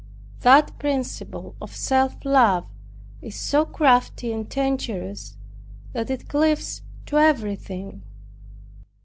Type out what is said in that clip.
That principle of self love is so crafty and dangerous, that it cleaves to everything.